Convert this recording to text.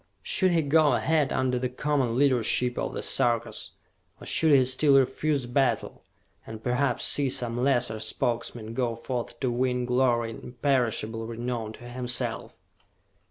Should he go ahead under the common leadership of the Sarkas? Or should he still refuse battle and perhaps see some lesser Spokesman go forth to win glory and imperishable renown to himself?